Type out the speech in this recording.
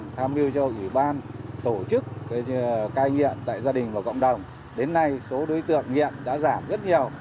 tại gia đình và cộng đồng đến nay số đối tượng nghiện đã giảm rất nhiều